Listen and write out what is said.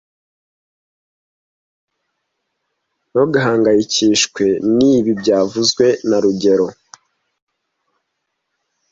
Ntugahangayikishwe nibi byavuzwe na rugero